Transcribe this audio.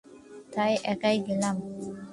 তাই একাই গেলাম!